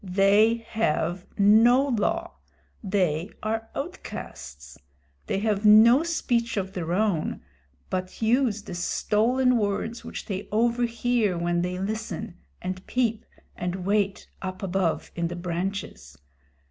They have no law. They are outcasts. They have no speech of their own, but use the stolen words which they overhear when they listen, and peep, and wait up above in the branches.